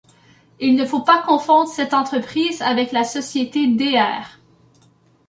Il ne faut pas confondre cette entreprise avec la société Dr.